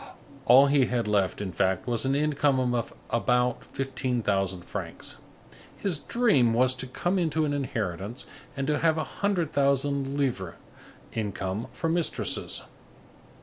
All he had left, in fact, was an income of about fifteen thousand francs. His dream was to come into an inheritance and to have a hundred thousand livres income for mistresses.